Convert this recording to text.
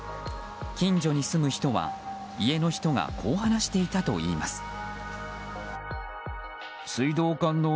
近所に住む人は、家の人がこう話していたといいます。